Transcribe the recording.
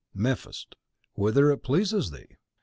Mephist: Whither it pleases thee.